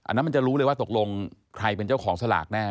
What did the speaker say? นั้นมันจะรู้เลยว่าตกลงใครเป็นเจ้าของสลากแน่